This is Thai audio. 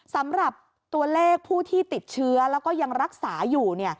สำหรับตัวเลขผู้ที่ติดเชื้อแล้วก็ยังรักษาอยู่